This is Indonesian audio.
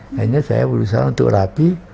akhirnya saya berusaha untuk rapi